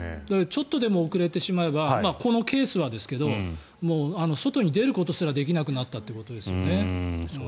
ちょっとでも遅れてしまえばこのケースはですが外に出ることすらできなくなったということですよね。